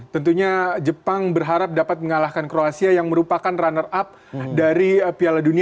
tentunya jepang berharap dapat mengalahkan kroasia yang merupakan runner up dari piala dunia